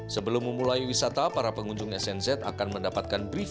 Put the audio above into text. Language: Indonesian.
sebelum memulai wisata para pengunjung snz akan mendapatkan briefing